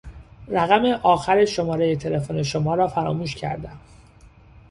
رقم آخر شمارهی تلفن شما را فراموش کردهام.